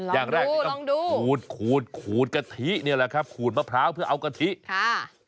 อย่างแรกนี่ต้องดูขูดขูดขูดกะทินี่แหละครับขูดมะพร้าวเพื่อเอากะทิค่ะ